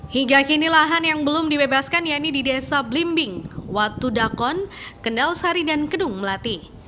hingga kini lahan yang belum dibebaskan yaitu di desa blimbing watu dakon kendal sari dan kedung melati